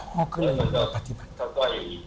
พอขับตัว